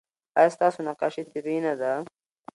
ایا ستاسو نقاشي طبیعي نه ده؟